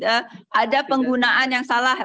ya ada penggunaan yang salah